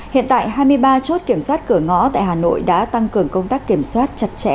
hiện tại hai mươi ba chốt kiểm soát cửa ngõ tại hà nội đã tăng cường công tác kiểm soát chặt chẽ